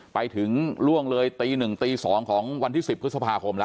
ไปถึงล่วงเลยตี๑ตี๒ของวันที่๑๐พฤษภาคมแล้ว